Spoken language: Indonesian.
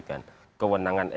jalan untuk jalan yang panjang